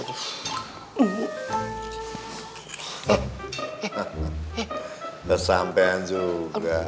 udah sampean juga